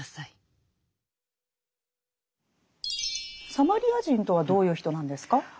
サマリア人とはどういう人なんですか？